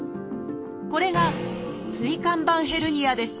これが「椎間板ヘルニア」です。